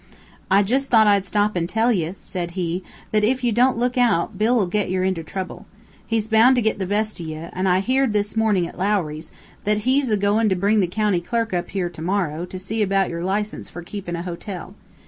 "I just thought I'd stop an' tell ye," said he, "that ef ye don't look out, Bill'll get ye inter trouble. He's bound to git the best o' ye, an' I heared this mornin', at Lowry's, that he's agoin' to bring the county clerk up here to morrow, to see about yer license fur keepin' a hotel.